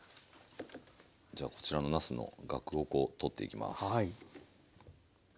じゃあこちらのなすの萼を取っていきます。